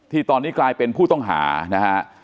ที่ตอนนี้กลายเป็นผู้ต้องหานะฮะ